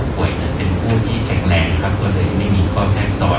เป็นผู้ที่แข็งแหลงไม่มีข้อแสดงสอด